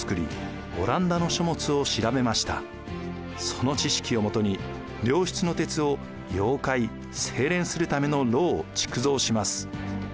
その知識をもとに良質の鉄を溶解・精錬するための炉を築造します。